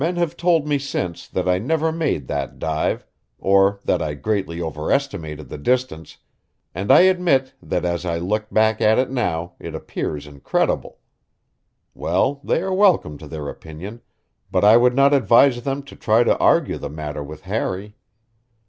Men have told me since that I never made that dive, or that I greatly overestimated the distance, and I admit that as I look back at it now it appears incredible. Well, they are welcome to their opinion, but I would not advise them to try to argue the matter with Harry.